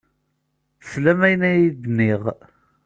Teslam ayen ay d-nniɣ.